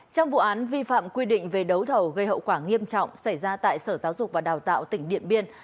trong vụ án vi phạm quy định về đấu thầu gây hậu quả nghiêm trọng xảy ra tại sở giáo dục và đào tạo tỉnh điện biên